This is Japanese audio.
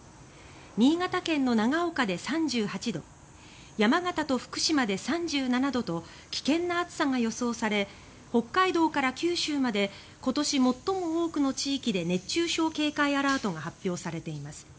新潟県の長岡で３８度山形と福島で３７度と危険な暑さが予想され北海道から九州まで今年最も多くの地域で熱中症警戒アラートが発表されています。